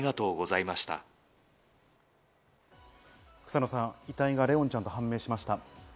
草野さん、遺体が怜音ちゃんと判明しました。